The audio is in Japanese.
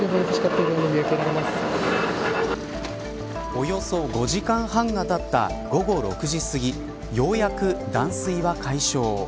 およそ５時間半がたった午後６時すぎようやく断水は解消。